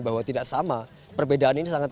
bahwa tidak sama perbedaan ini sangat